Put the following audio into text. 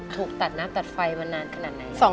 ถูกตัดน้ำตัดไฟมานานขนาดไหน